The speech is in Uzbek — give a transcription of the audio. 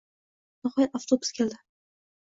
Nihoyat, avtobus keldi